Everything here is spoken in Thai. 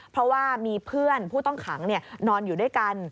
เพราะว่ามีเพื่อนผู้ต้องขังนอนอยู่ด้วยกัน